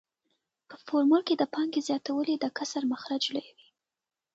په فورمول کې د پانګې زیاتوالی د کسر مخرج لویوي